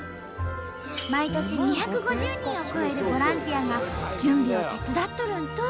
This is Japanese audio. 毎年２５０人を超えるボランティアが準備を手伝っとるんと！